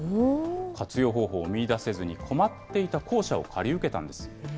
活用方法を見いだせずに困っていた校舎を借り受けたんです。